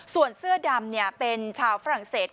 ส่วนเสื้อดำเป็นชาวฝรั่งเศส